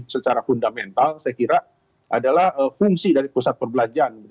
secara fundamental saya kira adalah fungsi dari pusat perbelanjaan